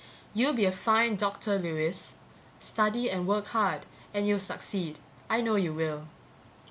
"_You'll be a fine doctor, Lewis. Study and work hard and you'll succeed. I know you will.